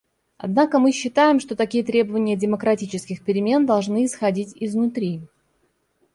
Однако мы считаем, что такие требования демократических перемен должны исходить изнутри.